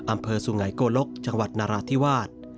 อำเภอสุไงโกลกจังหวัดนาราธิวาส